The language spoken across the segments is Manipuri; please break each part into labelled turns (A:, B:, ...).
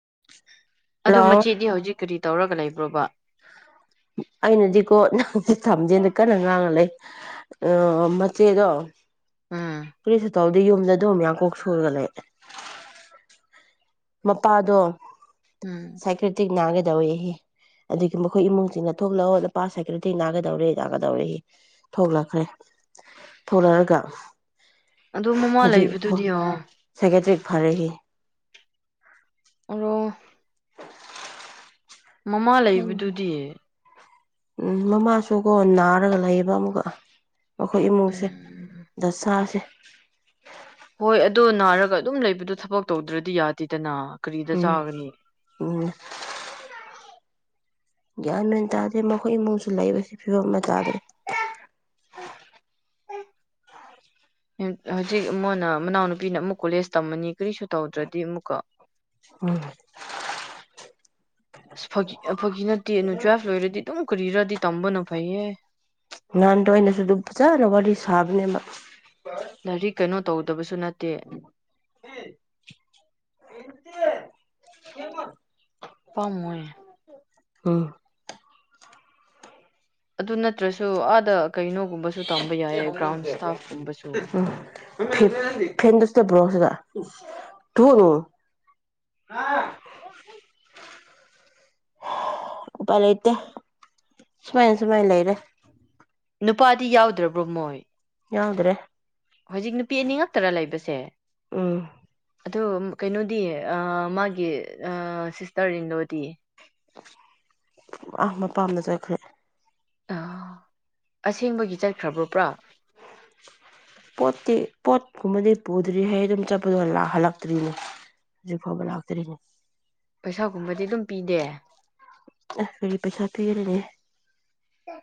A: [inaudible]
B: ꯑꯗꯣ
A: ꯂꯥꯛꯑꯣ
B: ꯃꯆꯤꯗꯤ ꯍꯧꯖꯤꯛ ꯀꯔꯤ ꯇꯧꯔꯒ ꯂꯩꯕ꯭ꯔꯣꯕ
A: ꯑꯩꯅꯗꯤꯀꯣ ꯁꯤ ꯊꯝꯖꯦꯟꯗ ꯀꯟꯅ ꯉꯥꯡꯉ ꯂꯩ ꯑ ꯃꯆꯦꯗꯣ
B: ꯎꯝ
A: ꯄꯨꯁꯦ ꯇꯧ ꯑꯗꯩ ꯌꯨꯝꯗ ꯑꯗꯨꯝꯛ ꯌꯥꯡ ꯀꯣꯛ ꯁꯨꯔꯒ ꯂꯩ ꯃꯄꯥꯗꯣ
B: ꯎꯝ
A: ꯁꯥꯀꯤ꯭ꯇꯛ ꯅꯥꯒꯗ ꯑꯣꯏꯍ ꯑꯗꯨꯒꯤ ꯃꯈꯣꯏ ꯏꯃꯨꯡꯁꯤꯡꯅ ꯊꯣꯛꯂꯛꯑ ꯍꯅ ꯄꯥꯁ ꯁꯥꯏꯀꯜꯗꯒꯤ ꯅꯥꯒꯗꯧꯔꯦ ꯅꯥꯒꯗꯧꯔꯦ ꯊꯣꯛꯂꯛꯈ꯭ꯔꯦ ꯊꯣꯛꯂꯛꯑꯒ
B: ꯑꯗꯣ ꯃꯃꯥ
A: ꯍꯧꯖꯤꯛ
B: ꯂꯩꯕꯗꯨꯗꯤ ꯑꯣ
A: ꯁꯦꯀꯦꯇꯔꯤꯛ ꯐꯔꯦ ꯍ
B: ꯔꯣ ꯃꯃꯥ
A: ꯈꯪꯗꯦ
B: ꯂꯩꯕꯗꯨꯗꯤꯌꯦ
A: ꯎꯝ ꯃꯃꯥꯁꯨꯀꯣ ꯅꯥꯔꯒ ꯂꯩꯌꯦꯕ ꯑꯃꯨꯛꯀ ꯑꯩꯣꯏ ꯏꯃꯨꯡꯁꯦ
B: ꯎꯝ
A: ꯗ ꯁꯥꯁꯦ [unintelligible]
B: ꯍꯣꯏ ꯑꯗꯣ ꯅꯥꯔꯒ ꯑꯗꯨꯝ ꯂꯩꯕꯗꯣ ꯊꯕꯛ ꯇꯧꯗ꯭ꯔꯗꯤ ꯌꯥꯗꯦꯗꯅ ꯀꯔꯤꯗ
A: ꯎꯝ
B: ꯁꯥꯒꯅꯤ
A: ꯎꯝ ꯒ꯭ꯌꯥꯟꯣꯏ ꯑꯣꯏꯅ ꯇꯥꯗꯦ ꯃꯈꯣꯏ ꯏꯃꯨꯡꯁꯨ ꯂꯩꯕꯕꯁꯤ ꯐꯤꯕꯝ ꯑꯃ ꯆꯥꯗ꯭ꯔꯦ
B: ꯍꯧꯖꯤꯛ ꯑꯃꯅ ꯃꯅꯥꯎꯅꯨꯄꯤꯅ ꯑꯃꯨꯛ ꯀꯣꯂꯦꯖ ꯇꯝꯃꯅꯤ ꯀꯔꯤꯁꯨ ꯇꯧꯗ꯭ꯔꯗꯤ ꯑꯃꯨꯛꯀ
A: ꯎꯝ
B: ꯁ ꯐꯒꯤ ꯅꯠꯇꯦ ꯑꯗꯨ ꯇꯨꯋꯦꯜꯐ ꯂꯣꯏꯔꯗꯤ ꯑꯗꯨꯝ ꯀꯨꯔꯤꯔꯗꯤ ꯇꯝꯕꯅ ꯐꯩꯌꯦ
A: ꯅꯍꯥꯟꯗꯣ ꯑꯩꯅꯁꯨ ꯑꯗꯨꯝ ꯐꯖꯅ ꯋꯥꯔꯤ ꯁꯥꯕꯅꯦꯕ
B: ꯂꯔꯤ ꯀꯩꯅꯣ ꯧꯗꯕꯁꯨ ꯅꯠꯇꯦ ꯀꯦ
A: ꯍꯃ
B: ꯄꯃꯨꯡꯜ
A: ꯎꯝ
B: ꯑꯗꯨ ꯅꯠꯇ꯭ꯔꯁꯨ ꯑꯥꯗ ꯀꯩꯅꯣꯒꯨꯝꯕꯁꯨ ꯇꯝꯕ ꯌꯥꯏꯌꯦ ꯒ꯭ꯔꯥꯎꯟ ꯏꯁꯇꯥꯐꯀꯨꯝꯕꯁꯨ
A: [unintelligible] ꯐꯦꯟꯗꯁꯇ ꯭ꯔꯣꯁ ꯊꯅ ꯎꯥꯏ ꯂꯩꯇ ꯁꯃꯥꯏ ꯁꯃꯥꯏ ꯂꯩꯔꯦ
B: ꯅꯨꯄꯥꯗꯤ ꯌꯥꯎꯗ꯭ꯔꯕ꯭ꯔꯣ ꯃꯣꯏ
A: ꯌꯥꯎꯗ꯭ꯔꯦ
B: ꯍꯧꯖꯤꯛ ꯅꯨꯄꯤ ꯑꯅꯤꯉꯛꯇꯔ ꯂꯩꯕꯁꯦ
A: ꯎꯝ
B: ꯑꯗꯣ ꯀꯩꯅꯣꯗꯤ ꯃꯥꯒꯤ ꯁꯤꯁꯇꯔ ꯏꯟꯂꯣꯗꯤ
A: ꯑꯥ ꯃꯄꯥꯝꯅ ꯆꯠꯈ꯭ꯔꯦ
B: ꯑ ꯑꯁꯦꯡꯕꯒꯤ ꯆꯠꯈ꯭ꯔꯕ꯭ꯔꯣꯕ꯭ꯔꯥ
A: ꯄꯣꯠꯇꯤ ꯄꯣꯠꯀꯨꯝꯕꯗꯤ ꯄꯨꯗ꯭ꯔꯤ ꯍꯩ ꯑꯗꯨꯝ ꯆꯠꯄꯗꯣ ꯂꯥꯛꯍꯜꯂꯛꯇ꯭ꯔꯤꯅꯦ ꯍꯧꯖꯤꯛ ꯐꯥꯎꯕ ꯂꯥꯛꯇ꯭ꯔꯤꯅꯦ
B: ꯄꯩꯁꯥꯒꯨꯝꯕꯗꯤ ꯑꯗꯨꯝ ꯄꯤꯗꯦ
A: ꯑ ꯐꯔꯤ ꯄꯩꯁꯥ ꯄꯤꯒꯅꯦ
B: ꯀ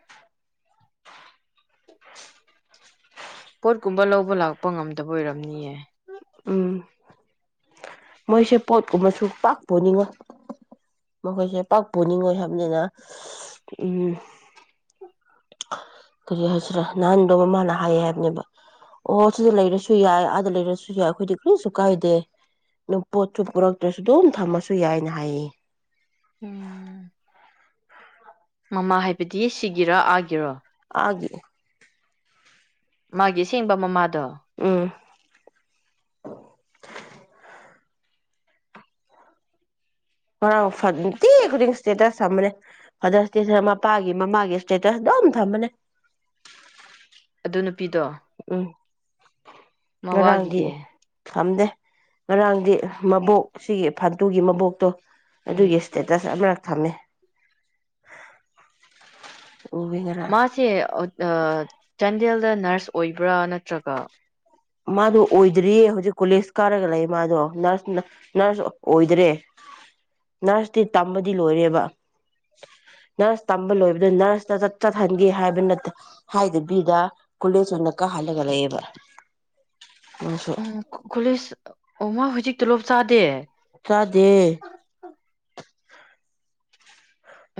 A: [unintelligible]
B: ꯄꯣꯠꯀꯨꯝꯕ ꯂꯧꯕ ꯂꯥꯛꯄ ꯉꯝꯗꯦ ꯇꯕ ꯑꯣꯏꯔꯝꯅꯤꯌꯦ
A: ꯎꯝ ꯃꯣꯏꯁꯦ ꯄꯣꯠꯀꯨꯝꯕꯨ ꯄꯥꯛꯄꯅꯤꯡꯉꯣꯏ ꯃꯈꯣꯏꯁꯦ ꯄꯥꯛꯄꯅꯤꯡꯉꯣꯏ ꯍꯥꯏꯕꯅꯤꯅ ꯎꯝ ꯀꯔꯤ ꯍꯥꯏꯁꯤꯔꯥ ꯅꯍꯥꯟꯗꯣ ꯃꯃꯥꯅ ꯍꯥꯏꯌꯦ ꯍꯥꯏꯕꯅꯦꯕ ꯑꯣꯍ ꯁꯤꯗ ꯂꯩꯔꯁꯨ ꯌꯥꯏ ꯑꯥꯗ ꯂꯩꯔꯁꯨ ꯌꯥꯏ ꯑꯩꯈꯣꯏꯗꯤ ꯀꯔꯤꯁꯨ ꯀꯥꯏꯗꯦ ꯅ ꯄꯣꯠꯁꯨ ꯇ꯭ꯔꯁꯨ ꯑꯗꯨꯝ ꯊꯝꯃꯁꯨ ꯌꯥꯏꯅ ꯍꯥꯏꯌꯦ
B: ꯎꯝ ꯃꯃꯥ ꯍꯥꯏꯕꯗꯤ ꯁꯤꯒꯤꯔ ꯑꯥꯒꯤꯔꯣ
A: ꯍꯥꯏꯦ
B: ꯃꯥꯒꯤꯁꯦꯡꯕ ꯃꯃꯥꯗꯣ
A: [unintelligible] ꯍꯔꯥꯡꯤ ꯈꯨꯗꯤꯡ ꯏꯁꯇꯦꯇꯁ ꯊꯃꯅꯦ ꯐꯗꯔ ꯏꯁꯇ ꯃꯄꯥꯒꯤ ꯃꯃꯥꯒꯤ ꯏꯁꯇꯦꯇꯁ ꯑꯗꯨꯝ ꯊꯝꯕꯅꯦ
B: ꯑꯗꯨꯅ ꯄꯤꯗ
A: ꯎꯝ
B: ꯃꯋꯥꯒꯤꯗꯤ
A: ꯈꯝꯗꯦ ꯉꯔꯥꯡꯗꯤ ꯃꯕꯣꯛ ꯁꯤꯒꯤ ꯐꯥꯗꯨꯒꯤ ꯃꯕꯣꯛꯇꯣ ꯑꯗꯨꯒꯤ
B: ꯎꯝ
A: ꯁꯇꯦꯇꯁ ꯑꯃꯔꯛ ꯊꯝꯃꯦ꯫ ꯎꯋꯦ ꯉꯔꯥꯡ
B: ꯃꯥꯁꯤ ꯑꫭ ꯑ ꯆꯥꯟꯗꯦꯜ ꯗ ꯅꯔꯁ ꯑꯣꯏꯕ꯭ꯔꯥ ꯅꯠꯇ꯭ꯔꯒ
A: ꯃꯥꯗꯣ ꯑꯣꯏꯗ꯭ꯔꯤꯌꯦ ꯍꯧꯖꯤꯛ ꯀꯣꯂꯦꯖ ꯀꯥꯔꯒ ꯂꯩ ꯃꯥꯗꯣ ꯅꯔꯁ ꯅꯔꯁ ꯑꯣꯏꯗ꯭ꯔꯦ ꯅꯔꯁꯇꯤ ꯇꯝꯕꯗꯤ ꯂꯣꯏꯔꯦꯕ ꯅꯔꯁ ꯇꯝꯕ ꯂꯣꯏꯕꯗ ꯅꯔꯁꯇꯠ ꯆꯠꯍꯟꯒꯦ ꯍꯥꯏꯕ ꯍꯥꯏꯗꯕꯤꯗ ꯀꯣꯂꯦꯖ ꯑꯣꯏꯅ ꯀꯥꯍꯜꯂꯒ ꯂꯩꯌꯦꯕ ꯃꯥꯁꯨ
B: ꯎꯝ ꯀꫭꯂꯦꯁ ꯑꯣ ꯃꯥ ꯍꯧꯖꯤꯛ ꯇꯂꯣꯞ ꯆꯥꯗꯦ
A: ꯆꯥꯗꯦ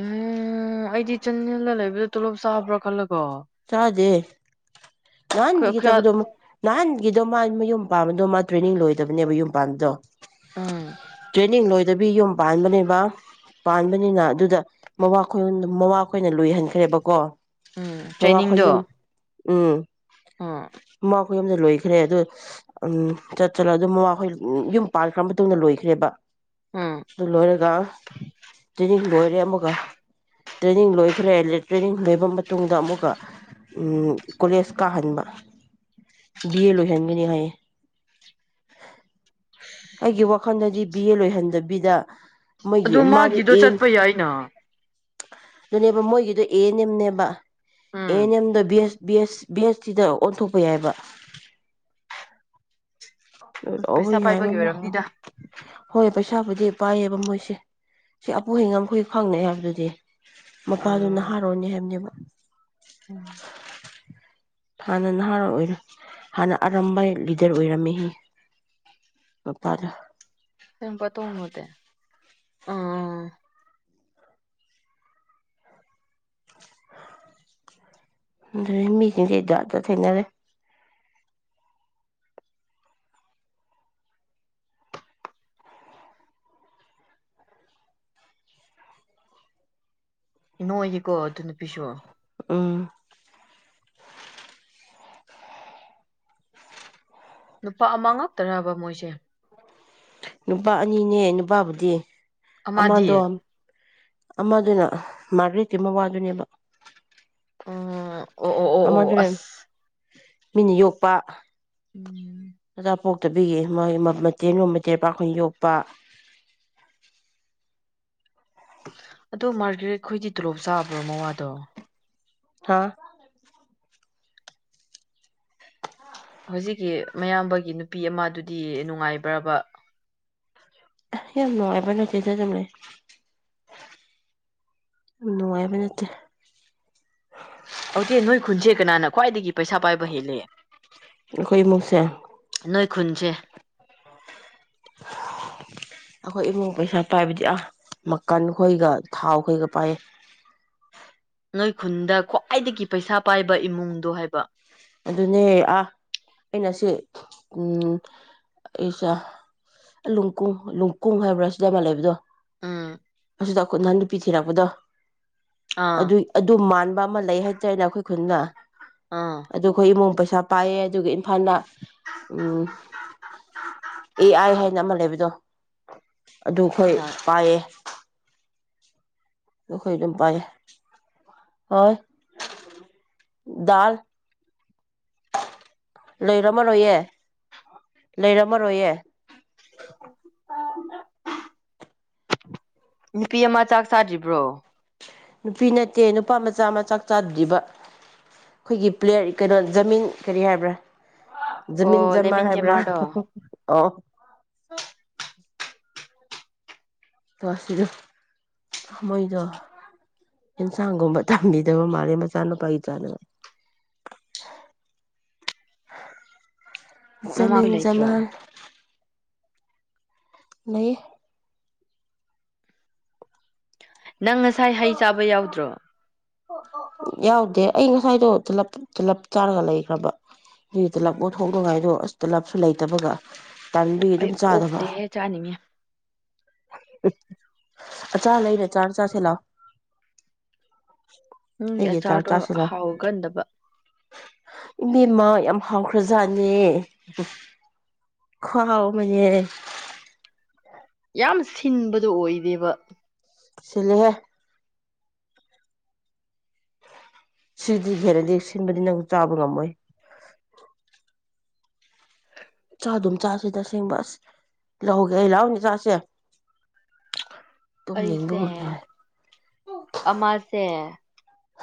B: ꯎꯝ ꯑꯩꯗꯤ ꯆꯟꯅꯜꯗ ꯂꯩꯕꯗꯨ ꯇꯣꯂꯣꯞ ꯆꯥꯕ꯭ꯔꯥ ꯈꯜꯂ
A: ꯆꯥꯖꯦ
B: ꯀꯌꯥ
A: ꯅꯍꯥꯟꯗꯒꯤ
B: ꯀꯌꯥ
A: ꯇꯕꯗꯣ ꯃꯨꯛ ꯅꯍꯥꯟꯒꯤꯗꯣ ꯃꯥ ꯃꯌꯨꯝ ꯄꯥꯕꯗꯣ ꯃꯥ ꯇ꯭ꯔꯦꯅꯤꯡ ꯂꯣꯏꯗꯕꯅꯦꯕ ꯌꯨꯝ ꯄꯥꯟꯕꯗꯣ꯫
B: ꯎꯝ
A: ꯇ꯭ꯔꯦꯅꯤꯡ ꯂꯣꯏ ꯗꯨꯕꯤ ꯌꯨꯝ ꯄꯥꯟꯕꯅꯦꯕ ꯄꯥꯟꯕꯅꯤꯅ ꯑꯗꯨꯗ ꯃꯃꯥ ꯈꫭꯏ ꯉꫭꯟꯗ ꯃꯃꯥ ꯈꯣꯏꯅ ꯂꯣꯏꯍꯟꯈ꯭ꯔꯦꯕꯀꯣ꯫
B: ꯎꯝ
A: ꯃꯈꯌꯨꯝ ꯎꯝ
B: ꯑꯥ
A: ꯃꯃꯥꯈꯣꯏ ꯑꯗ ꯂꯣꯏꯈ꯭ꯔꯦ ꯑꯗꯨ ꯎꯝ ꯆꯠ ꯆꯠꯂ ꯑꯗꯨ ꯃꯃꯥꯈꯣꯏ ꯌꯨꯝ ꯄꯥꯟꯜꯈ꯭ꯔ ꯃꯇꯨꯡꯗ ꯂꯣꯏꯈ꯭ꯔꯦꯕ
B: ꯎꯝ
A: ꯑꯗꯨ ꯂꯣꯏꯔꯒ ꯇ꯭ꯔꯦꯅꯤꯡ ꯂꯣꯏꯔꯦ ꯑꯃꯨꯛꯀ ꯇ꯭ꯔꯦꯅꯤꯡ ꯂꯣꯏꯈ꯭ꯔꯦ ꯇ꯭ꯔꯦꯅꯤꯡ ꯂꯣꯏꯕ ꯃꯇꯨꯡꯗ ꯑꯃꯨꯛ ꯎꯝ ꯀꯣꯂꯦꯖ ꯀꯥꯍꯟꯕ ꯕꯤ ꯑꯦ ꯂꯣꯏꯍꯟꯒꯅꯤ ꯍꯥꯏꯌꯦ ꯑꯩꯒꯤ ꯋꯥꯈꯜꯗꯗꯤ ꯕꯤ ꯑꯦ ꯂꯣꯏꯍꯟꯗꯕꯤꯗ
B: ꯑꯗꯨ
A: ꯃꯣꯏꯒꯤ ꯃꯥꯗꯨ
B: ꯃꯥꯒꯤꯗꯣ
A: ꯑꯦꯟ
B: ꯆꯠꯄ ꯌꯥꯏꯅ
A: ꯑꯗꯨꯅꯦꯕ ꯃꯣꯏꯒꯤꯗꯣ ꯑꯦꯟꯦꯝꯅꯦꯕ
B: ꯎꯝ
A: ꯑꯦꯟꯦꯝꯗ ꯁ ꯕꯤ ꯕꯤ ꯑꯦꯁ ꯇꯤꯗ ꯑꯣꯟꯊꯣꯛꯄ ꯌꯥꯏꯕ
B: ꯄꯩꯁꯥ ꯄꯥꯏꯕꯒꯤ
A: ꯍꯥꯏ
B: ꯑꯣꯏꯔꯝꯅꯤꯗ
A: ꯍꯣꯏ ꯏꯁꯥꯕꯨꯗꯤ ꯄꯥꯏꯌꯦꯕ ꯃꯣꯏꯁꯦ ꯁꯤ ꯑꯄꯣꯍꯩꯉ ꯑꯩꯈꯣꯏ ꯈꯪꯅꯩ ꯍꯥꯏꯕꯗꯨꯗꯤ ꯃꯄꯥꯗꯨ
B: ꯎꯝ
A: ꯅꯍꯥꯔꯣꯟꯅꯦ ꯍꯥꯏꯕꯅꯦꯕ꯫ ꯍꯥꯟꯅ ꯅꯍꯥꯔꯣꯜ ꯑꯣꯏꯔ ꯍꯥꯟꯅ ꯑꯔꯝꯕꯥꯏ ꯂꯤꯗꯔ ꯑꯣꯏꯔꯝꯑꯦ꯫ ꯎꯝ ꯀꯄꯔ
B: ꯍꯄ ꯇꯧꯅꯗꯦ ꯑ
A: ꯑ ꯃꯤꯆꯗꯗ ꯊꯦꯡꯅꯗ
B: ꯏ ꯅꯣꯒꯤꯀꯣ ꯑꯗꯨ ꯅꯨꯄꯤꯁꯨ꯫
A: ꯎꯝ
B: ꯅꯨꯄꯥ ꯑꯃ ꯉꯛꯇꯅꯕ ꯃꯣꯏꯁꯦ
A: ꯅꯨꯄꯥ ꯑꯅꯤꯅꯦ ꯅꯨꯄꯥꯕꯨꯗꯤ꯫
B: ꯑꯃꯗꯤ
A: ꯑꯃꯗꫭ ꯑꯃꯗꯨꯅ ꯃꯥꯔꯒꯔꯤꯠꯀꯤ ꯃꯋꯥꯗꯨꯅꯦꯕ
B: ꯎꯝ ꯑꯣ ꯑꯣ ꯑꯣ ꯑꯣ
A: ꯑꯃꯗ
B: ꯑꯁ
A: ꯃꯤꯅ ꯌꯣꯛꯄ
B: ꯎꯝ
A: ꯑꯆꯥ ꯄꯣꯛꯇꯕꯤꯒꯤ ꯃꯣꯏ ꯃꯆꯦꯜ ꯔꯨꯝ ꯃꯆꯦ ꯄꯥꯛꯈꯣꯏ ꯌꯣꯛꯄ
B: ꯑꯗꯣ ꯃꯥꯔꯒꯦꯠ ꯑꯩꯈꯣꯏꯗꯤ ꯇꯣꯂꯣꯞ ꯆꯥꯕ꯭ꯔꯣ ꯃꯋꯥꯗꯣ
A: ꯍꯥꯥ
B: ꯍꯧꯖꯤꯛꯀꯤ ꯃꯌꯥꯝꯕꯒꯤ ꯅꯨꯄꯤ ꯑꯃꯗꯨꯗꯤ ꯅꯨꯡꯉꯥꯏꯕ꯭ꯔꯕ
A: ꯍ ꯅ ꯑꯦꯕꯅ ꯀꯖ ꯆꯝ ꯂꯩ ꯅꯣꯡꯉꯃꯤꯅꯠꯇ
B: ꯑꯣꯇꯦ ꯅꯣꯏ ꯈꯨꯟꯁꯦ ꯀꯅꯥꯅ ꯈ꯭ꯋꯥꯏꯗꯒꯤ ꯄꯩꯁꯥ ꯄꯥꯏꯕ ꯍꯦꯜꯂꯦ
A: ꯑꯩꯏꯃꯨꯁꯦ
B: ꯈꯨꯨꯟꯖꯦ
A: ꯑꯩꯈꯣꯏ ꯏꯃꯨꯡ ꯄꯩꯁꯥ ꯄꯥꯏꯕꯗꯤ ꯑꯥ ꯃꯈꯀꯟꯈꯣꯏꯒ ꯊꯥꯎ ꯈꯈꯣꯏꯒ ꯄꯥꯏꯌꯦ
B: ꯅꯣꯏ ꯈꯨꯟꯗ ꯈ꯭ꯋꯥꯏꯗꯒꯤ ꯄꯩꯁꯥ ꯄꯥꯏꯕ ꯏꯃꯨꯡꯗꯣ ꯍꯥꯏꯕ
A: ꯑꯗꯨꯅꯦ ꯑꯥ ꯑꯩꯅ ꯁꯤ ꯎ ꯑꯩꯁ ꯂꯅꯨꯡꯀꯨꯡ ꯂꯅꯨꯡꯀꯨꯡ ꯍꯥꯏꯕ꯭ꯔꯥ ꯁꯤꯗ ꯑꯃ ꯂꯩꯕꯗꯣ
B: ꯎꯝ
A: ꯑꯗꯨꯗ ꯑꯩꯈꯣꯏ ꯅꯍꯥꯟ ꯅꯨꯄꯤ ꯊꯤꯔꯛꯄꯗꯣ
B: ꯑꯥ
A: ꯑꯗꯨꯏ ꯑꯗꯨ ꯃ ꯑꯃ ꯂꯩ ꯍꯥꯏꯇꯥꯔꯦꯅꯦ ꯑꯩꯈꯣꯏ ꯈꯨꯟꯒ ꯑ
B: ꯑꯥ
A: ꯑꯩꯈꯣꯏ ꯏꯃꯣꯝ ꯄꯩꯥ ꯄꯩꯁꯥ ꯄꯥꯏꯌꯦ ꯑꯗꯨꯒ ꯏꯝꯐꯥꯜꯗ ꯎꯝ ꯑꯦ ꯑꯥꯏ ꯍꯥꯏꯅ ꯑꯃ ꯂꯩꯕꯗꯣ ꯑꯗꯨ ꯑꯩꯈꯣꯏ
B: ꯀꯅꯥ
A: ꯄꯥꯏꯌꯦ ꯑꯩꯈꯣꯏ ꯑꯗꯨꯝ ꯄꯥꯏꯌꯦ ꯍꯣꯏ ꯗꯥꯜ ꯂꯩꯔꯝꯃꯔꯣꯏꯌꯦ ꯂꯩꯔꯝꯃꯔꯣꯏꯌꯦ
B: ꯅꯨꯄꯤ ꯑꯃ ꯆꯥꯛ ꯆꯥꯗ꯭ꯔꯤꯕ꯭ꯔꯣ
A: ꯅꯨꯄꯤ ꯅꯠꯇꯦ ꯅꯨꯄꯥ ꯃꯆꯥ ꯃ ꯆꯥꯛ ꯆꯥꯗ꯭ꯔꯤꯕ ꯑꯩꯈꯣꯏꯒꯤ ꯄ꯭ꯂꯦꯌꯔ ꯀꯩꯅꯣ ꯖꯃꯤꯟ ꯀꯔꯤ ꯍꯥꯏꯕ꯭ꯔꯥ
B: ꯑꯣ
A: ꯃꯤꯟ ꯖꯃꯔ
B: ꯂꯦꯃꯤꯟ
A: ꯍꯥꯏꯕ꯭ꯔꯥ
B: ꯖꯦꯃꯥꯔꯗꯣ
A: ꯑꯣ ꯇꯣ ꯑꯁꯤꯗ ꯃꯣꯏꯗꯣ ꯑꯦꯟꯁꯥꯡꯒꯨꯝꯕ ꯊꯝꯕꯤꯗꯕ ꯃꯥꯜꯂꯦ ꯃꯆꯥꯅꯨꯄꯥꯒꯤ ꯆꯥꯅꯕ ꯃꯤꯟ
B: ꯃꯃꯥꯈꯣꯏ ꯂꯩꯇ꯭ꯔꯣ
A: ꯃꯥꯟ ꯂꯩ
B: ꯅꯪ ꯉꯁꯥꯏ ꯍꯩ ꯆꯥꯕ ꯌꯥꯎꯗ꯭ꯔꯣ
A: ꯌꯥꯎꯗꯦ ꯑꯩ ꯉꯁꯥꯏꯗꯣ ꯇꯂꯞ ꯇꯂꯞ ꯆꯥꯔꯒ ꯂꯩꯈ꯭ꯔꯕ ꯅꯒꯤ ꯇꯂꯞ
B: ꯎꯝ
A: ꯑꯣꯠꯊꯣꯛꯅꯉꯥꯏꯗꯣ ꯑꯁ ꯇꯂꯞꯁꯨ ꯂꯩꯇꯕꯒ ꯇꯥꯟꯕꯤ
B: ꯑꯩ
A: ꯑꯗꯨꯝ ꯆꯥꯗꯕ
B: ꯑꯣꯛꯇꯦꯍꯦ ꯆꯥꯅꯤꯡꯉꯦ
A: ꯑꯆꯥ ꯂꯩꯔꯦ ꯆꯥ ꯆꯁꯤ ꯂꯥꯛꯑꯣ
B: ꯅꯪꯒꯤ ꯑꯆꯥꯔꯗꯣ ꯍꯥꯎꯒꯟꯗꯕ
A: ꯏꯕꯤꯃ ꯌꯥꯝ ꯍꯥꯎꯈ꯭ꯔꯖꯥꯠꯅꯦ ꯈꯥꯎ ꯑꯃꯅꯦ
B: ꯌꯥꯝ ꯁꯤꯟꯕꯗꯨ ꯑꯣꯏꯗꯦꯕ
A: ꯁꯤꯂꯦꯍꯦ ꯁꯤꯗꯤ ꯈꯦꯔꯗꯤ ꯁꯤꯟꯕꯗꯤ ꯅꯪ ꯆꯥꯕ ꯉꯝꯃꯣꯏ ꯆꯥ ꯑꯗꯨꯝ ꯆꯥꯁꯦ ꯇꯁꯦꯡꯕ ꯑꯁ ꯂꯧꯒꯦ ꯑꯩ ꯂꯥꯛꯎꯅꯦ ꯆꯥꯁꯦ
B: ꯑꯩꯁꯦ
A: ꯇꯨꯝꯅꯤꯡꯕꯒꯨꯝ ꯇꯧꯋꯦ
B: ꯑꯃꯥꯁꯦ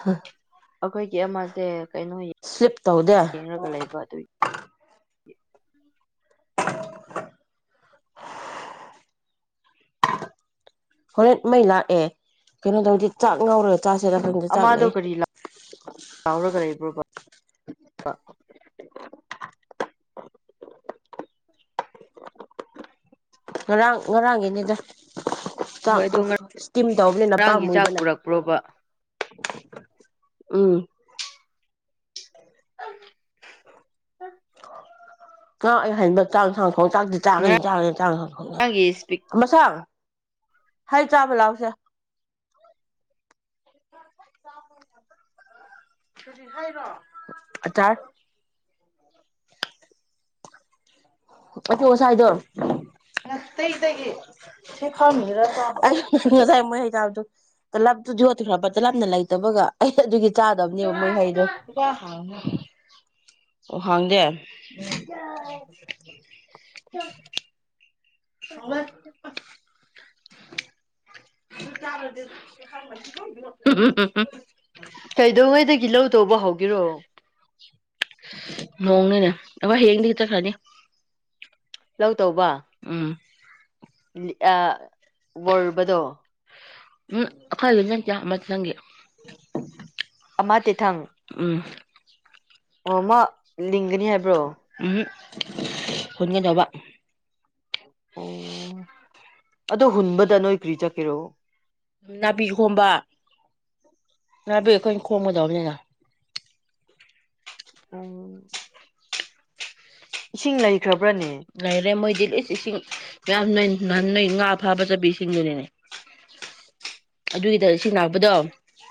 A: ꯍꯥ
B: ꯑꯩꯈꯣꯏꯒꯤ ꯑꯃꯁꯦ ꯀꯩꯅꯣ
A: ꯁ꯭ꯂꯤꯞ ꯇꯧꯗꯦ
B: ꯌꯦꯡꯉꯒ ꯂꯩꯕ ꯑꯗꯨꯏ ꯍ
A: [unintelligible] ꯍꯣꯔꯦꯟ ꯃꯩ ꯂꯥꯛꯑꯦ ꯀꯩꯅꯣ ꯇꯧꯗꯤ ꯆꯥꯛ ꯉꯥꯎꯔ
B: ꯑꯃꯥꯗꯣ ꯀꯔꯤ ꯂꯥꯎꯔꯒ ꯂꯩꯕ꯭ꯔꯣꯕ
A: ꯉꯔꯥꯡ ꯉꯔꯥꯡꯒꯤꯅꯤꯗ
B: ꯍꯣꯏ
A: ꯆꯥꯛꯇꯣ
B: ꯑꯗꯣ
A: ꯏꯁꯇꯤꯝ ꯇꯧꯕꯅꯤꯅ
B: ꯉꯔꯥꯡꯒꯤ ꯆꯥꯛ
A: ꯄꯥꯝꯃꯨꯗꯅ
B: ꯄꯨꯔꯛꯄ꯭ꯔꯣꯕ
A: ꯎꯝ ꯀ ꯍꯥꯏꯕ ꯆꯥꯛ ꯊꯥꯡ ꯊꯣꯡ ꯆꯥꯛꯗꯤ ꯆꯥꯈꯅꯤ ꯆꯥꯈꯅꯤ ꯆꯥꯡ ꯍꯪ
B: ꯉꯔꯥꯡꯒꯤ ꯏꯁꯄꯤꯛ
A: ꯊ ꯁ ꯍꯜ ꯆꯥꯕ ꯂꯥꯎꯁꯦ ꯆꯥ ꯑꯊꯧ ꯑꯁꯥꯏꯗꯣ ꯉꯁꯥꯏ ꯃꯣꯏ ꯍꯩꯕꯗ ꯇꯂꯞꯇꯨ ꯌꯣꯠꯈ꯭ꯔꯕ ꯇꯂꯞꯅ ꯂꯩꯇꯕꯒ ꯑꯩ ꯑꯗꯨꯒꯤ ꯆꯥꯗꯕꯅꯦꯕ ꯃꯣꯏ ꯍꯩꯗꯣ ꯑꯣ ꯍꯥꯡꯗꯦ ꯎꯝ
B: ꯀ
A: ꯁꯋꯥꯥꯏ ꯎꯝ
B: ꯀꯩꯗꯧꯉꯩꯗꯒꯤ ꯂꯧ ꯇꯧꯕ ꯍꯧ ꯒꯔꯣ
A: ꯅꯣꯡꯅꯤꯅꯦ ꯑꯕ ꯍꯌꯦꯡꯗꯤ ꯈꯤꯇ ꯈꯔꯅꯤ
B: ꯂꯧ ꯇꯧꯕ
A: ꯎꯝ
B: ꯑ ꯋꯥꯕꯗꯣ
A: ꯎꯝ ꯑꯩꯈꯣꯏ ꯑꯗꯨꯪ ꯀ ꯑꯃ ꯆꯪꯒꯦ
B: ꯑꯃ ꯇꯤꯊꯪ
A: [unintelligible]
B: ꯑꯣꯃ ꯂꯤꯡꯒꯅꯤ ꯍꯥꯏꯕ꯭ꯔꯣ
A: ꯍꯗꯕ
B: ꯑꯣ ꯑꯗꯣ ꯍꯨꯟꯕꯗ ꯅꯣꯏ ꯀ꯭ꯔꯤ ꯆꯠꯀꯦꯔꯣ
A: ꯅꯥꯄꯤ ꯈꯣꯝꯕ ꯅꯥꯄꯤ ꯑꯩꯈꯣꯏꯅ ꯈꯣꯝꯒꯗꯕꯅꯤꯅ
B: ꯎꯝ ꯏꯁꯤꯡ ꯂꯩꯈ꯭ꯔ꯫
A: ꯂꯩꯔꯦ ꯃꯣꯏꯗꯤ ꯂꯤꯁ ꯏꯁꯤꯡ꯫ ꯃꯌꯝ ꯅꯣꯢ ꯅꯣꯏ ꯉꯥ ꯐꯥꯕ ꯆꯠꯄꯥ ꯏꯁꯤꯡꯗꯨꯅꯤꯅꯦ ꯑꯗꯨꯒꯤꯗ ꯏꯁꯤꯡ ꯂꯥꯛꯄꯗꯣ꯫